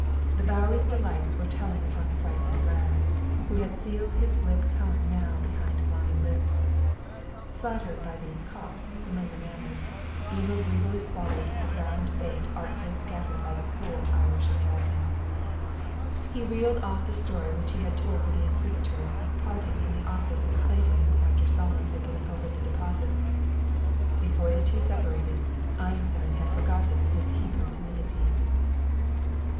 The Bowery's delights were telling upon the frightened lad, who had sealed his glib tongue now behind lying lips. Flattered by the "cop's" familiar manner, Emil greedily swallowed the ground bait artfully scattered by the cool Irish American. He reeled off the story which he had told to the inquisitors of parting in the office with Clayton after Somers had given over the deposits. Before the two separated, Einstein had forgotten his Hebrew timidity.